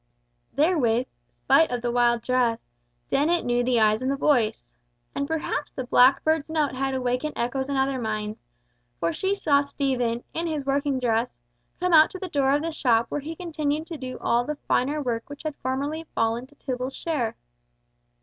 Therewith, spite of the wild dress, Dennet knew the eyes and the voice. And perhaps the blackbird's note had awakened echoes in another mind, for she saw Stephen, in his working dress, come out to the door of the shop where he continued to do all the finer work which had formerly fallen to Tibble's share.